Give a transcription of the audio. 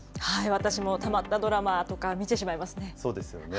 私もたまったドラマとか見てしまいますね。